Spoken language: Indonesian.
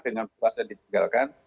dengan puasa ditinggalkan